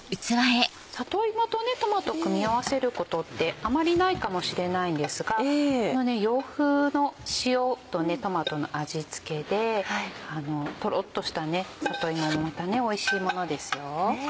里芋とトマト組み合わせることってあまりないかもしれないんですがこの洋風の塩とトマトの味付けでとろっとした里芋もまたおいしいものですよ。